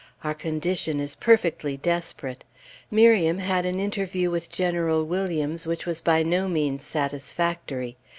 Our condition is perfectly desperate. Miriam had an interview with General Williams, which was by no means satisfactory.